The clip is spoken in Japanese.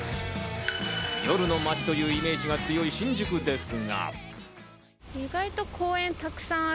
夜の街というイメージが強い新宿ですが。